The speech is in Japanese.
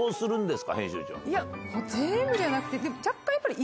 全部じゃなくて。